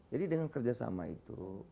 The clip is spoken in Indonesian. jadi dengan kerjasama itu